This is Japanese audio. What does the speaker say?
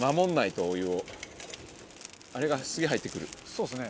そうですね。